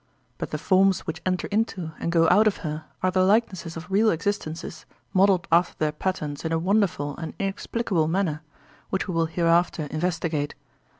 But the forms which enter into and go out of her are the likenesses of real existences modelled after their patterns in a wonderful and inexplicable manner, which we will hereafter investigate.